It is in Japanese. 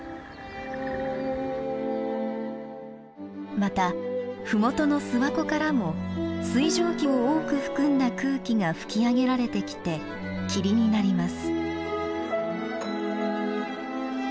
またふもとの諏訪湖からも水蒸気を多く含んだ空気が吹き上げられてきて霧になります。